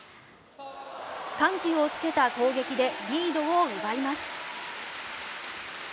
緩急をつけた攻撃でリードを奪います。